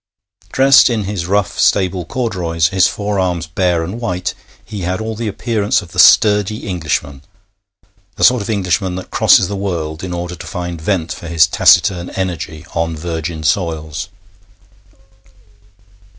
Dressed in his rough stable corduroys, his forearms bare and white, he had all the appearance of the sturdy Englishman, the sort of Englishman that crosses the world in order to find vent for his taciturn energy on virgin soils.